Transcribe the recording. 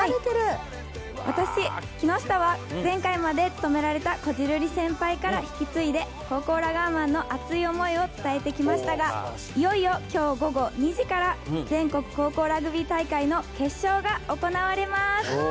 私、木下は前回まで務められたこじるり先輩から引き継いで、高校ラガーマンの熱い思いを伝えてきましたが、いよいよきょう午後２時から、全国高校ラグビー大会の決勝が行われます。